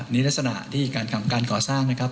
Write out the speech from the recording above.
นี่ลักษณะที่คราจะคำการก่อสร้างนะครับ